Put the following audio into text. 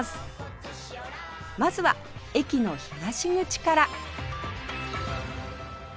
まずは駅の東口から